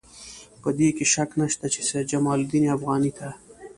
په دې کې شک نشته چې سید جمال الدین افغاني ته.